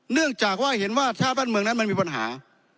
เนื่องจากว่าเห็นว่าชาติบ้านเมืองนั้นมันมีปัญหา